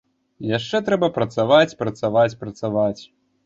Яшчэ трэба працаваць, працаваць, працаваць.